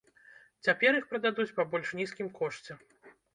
Цяпер іх прададуць па больш нізкім кошце.